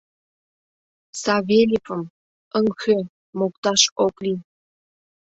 Савельевым... ыҥхӧ!.. мокташ ок лий...